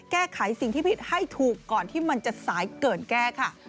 แก้ไขสิ่งที่ผิดให้ถูกก่อนที่มันจะสายเกินแก้ค่ะ